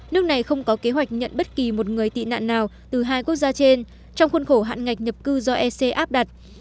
nước này không có kế hoạch nhận bất kỳ một người tị nạn nào từ hai quốc gia trên trong khuôn khổ hạn ngạch nhập cư do ec áp đặt